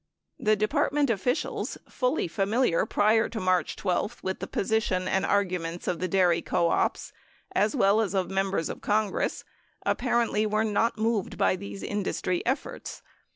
9 The Department officials, fully familiar prior to March 12 with the position and arguments of the dairy co ops as well as of Members of Congress, apparently were not moved by these industry efforts.